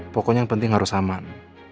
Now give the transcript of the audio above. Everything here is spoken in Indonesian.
pokoknya yang penting harus aman